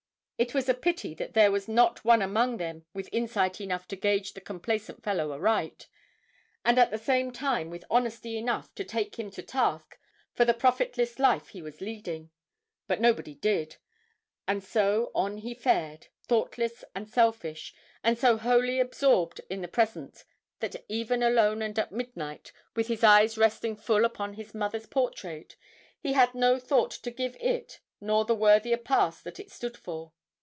It was a pity that there was not one among them with insight enough to gauge the complacent fellow aright, and at the same time with honesty enough to take him to task for the profitless life he was leading. But nobody did, and so on he fared, thoughtless and selfish, and so wholly absorbed in the present that even alone and at midnight, with his eyes resting full upon his mother's portrait, he had no thought to give it nor the worthier past that it stood for.